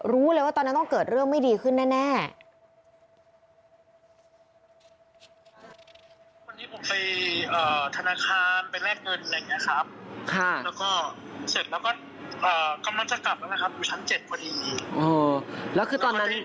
รู้เลยว่าตอนนั้นต้องเกิดเรื่องไม่ดีขึ้นแน่